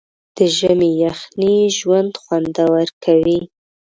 د ژمي یخنۍ ژوند خوندور کوي.